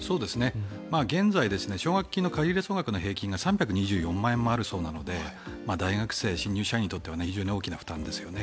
現在、奨学金の借入金額の総額が３２４万円もあるそうなので大学生、新入社員にとっては非常に大きな負担ですよね。